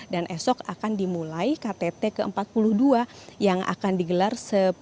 dan esok akan dimulai ktt ke empat puluh dua yang akan digelar